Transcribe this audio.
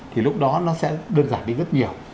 thì lúc đó nó sẽ đơn giản đi rất nhiều